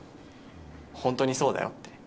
本当にそうだよって。